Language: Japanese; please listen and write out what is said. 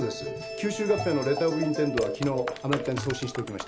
吸収合併のレターオブインテンドは昨日アメリカに送信しときました。